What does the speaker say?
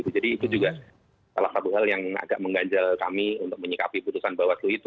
jadi itu juga salah satu hal yang agak mengganjal kami untuk menyikapi putusan bawaslu itu